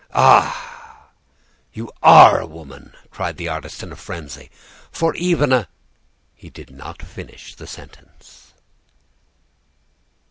"'Ah! you are a woman!' cried the artist in a frenzy; 'for even a ' "He did not finish the sentence.